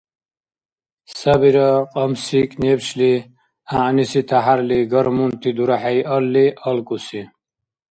Сабира кьамсикӀ-небшли гӀягӀниси тяхӀярли гормонти дурахӀейалли алкӀуси.